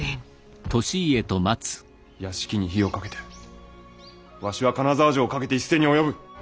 屋敷に火をかけてわしは金沢城をかけて一戦に及ぶ。